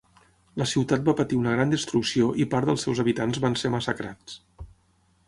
La ciutat va patir una gran destrucció i part dels seus habitants van ser massacrats.